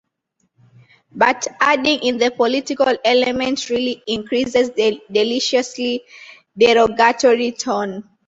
But adding in the political element really increases the deliciously derogatory tone.